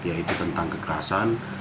yaitu tentang kekerasan